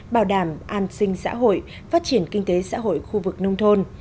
bảo đảm an sinh xã hội phát triển kinh tế xã hội khu vực nông thôn